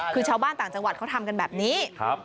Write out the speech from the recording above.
คือชาวบ้านต่างจังหวัดเขาทำกันแบบนี้